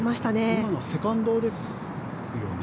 今のはセカンドですよね。